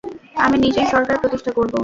আমি নিজেই সরকার প্রতিষ্ঠা করব।